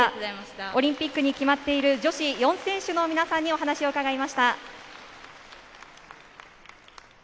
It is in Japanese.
オリンピックに決まっている女子４選手の皆さんにお話を伺いました。